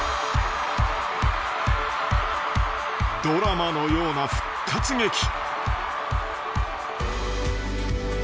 ドラマのような復活劇。